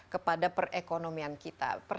kepada perekonomian kita